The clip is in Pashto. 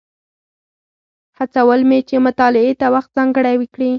هڅول مې چې مطالعې ته وخت ځانګړی کړي.